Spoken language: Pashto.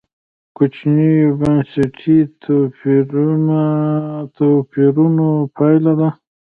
د کوچنیو بنسټي توپیرونو پایله ده.